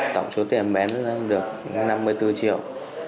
tổng số tiền bán được năm mươi bốn triệu